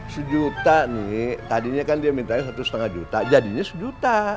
sejuta nih tadinya kan dia mintanya satu lima juta jadinya sejuta